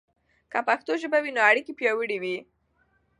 که پښتو ژبه وي، نو اړیکې پياوړي وي.